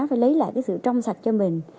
phải lấy lại cái sự trong sạch cho mình